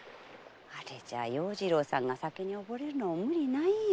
あれじゃあ要次郎さんが酒におぼれるのも無理ないよ。